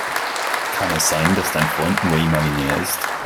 Kann es sein, dass dein Freund nur imaginär ist?